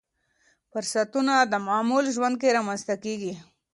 فرصتونه د معمول ژوند کې رامنځته کېږي.